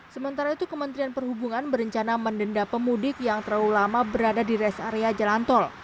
sementara itu kementerian perhubungan berencana mendenda pemudik yang terlalu lama berada di res area jalan tol